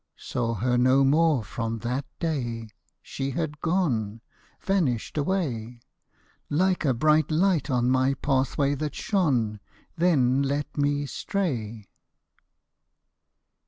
Saw her no more from that day — she had gone, Vanished away. Like a bright light on my pathway that shone. Then let me stray.